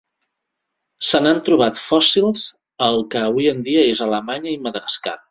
Se n'han trobat fòssils al que avui en dia és Alemanya i Madagascar.